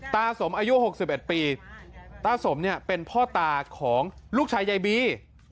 ตาสมอายุ๖๑ปีตาสมเนี่ยเป็นพ่อตาของลูกชายยายบี